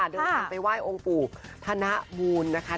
เดี๋ยวคุณไปไหว้องค์ปู่พระนะบูลนะคะ